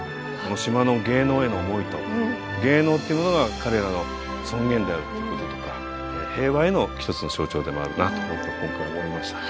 島の芸能への思いと芸能っていうものが彼らの尊厳であるってこととか平和への一つの象徴でもあるなと僕は今回思いました。